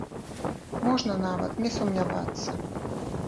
Можна нават не сумнявацца.